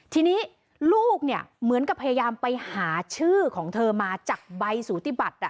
ทีนี้ลูกเนี่ยเหมือนกับพยายามไปหาชื่อของเธอมาจากใบสูติบัติ